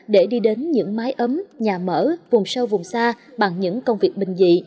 để đi đến những mái ấm nhà mở vùng sâu vùng xa bằng những công việc bình dị